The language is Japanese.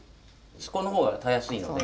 底の方がたやすいので。